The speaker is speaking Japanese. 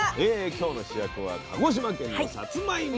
今日の主役は鹿児島県のさつまいも。